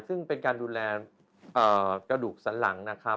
ซึ่งเป็นการดูแลกระดูกสันหลังนะครับ